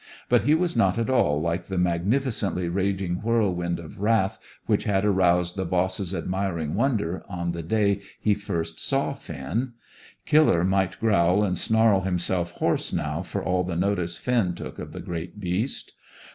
But he was not at all like the magnificently raging whirlwind of wrath which had aroused the boss's admiring wonder on the day he first saw Finn. Killer might growl and snarl himself hoarse now for all the notice Finn took of the great beast.